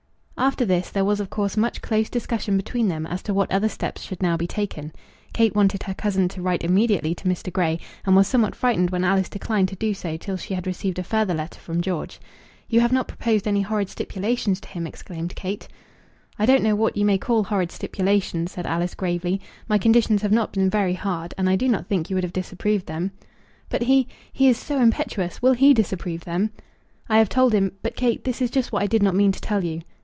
After this there was of course much close discussion between them as to what other steps should now be taken. Kate wanted her cousin to write immediately to Mr. Grey, and was somewhat frightened when Alice declined to do so till she had received a further letter from George. "You have not proposed any horrid stipulations to him?" exclaimed Kate. "I don't know what you may call horrid stipulations," said Alice, gravely. "My conditions have not been very hard, and I do not think you would have disapproved them." "But he! He is so impetuous! Will he disapprove them?" "I have told him But, Kate, this is just what I did not mean to tell you."